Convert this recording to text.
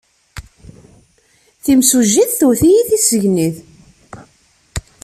Timsujjit twet-iyi tissegnit.